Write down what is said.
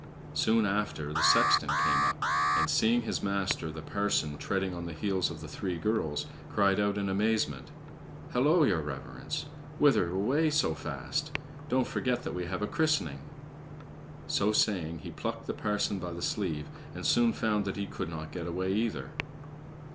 Soon after the sexton came up, and, seeing his master the parson treading on the heels of the three girls, cried out in amazement: "Hallo, your Reverence! Whither away so fast? Don't forget that we have a christening!" So saying, he plucked the parson by the sleeve, and soon found that he could not get away either.